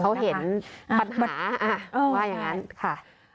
เขาเห็นพัดหมาว่าอย่างนั้นค่ะ